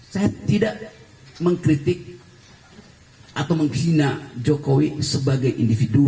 saya tidak mengkritik atau menghina jokowi sebagai individu